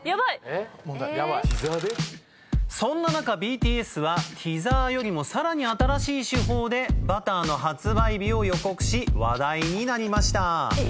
そんな中ＢＴＳはティザーよりもさらに新しい手法で『Ｂｕｔｔｅｒ』の発売日を予告し話題になりました。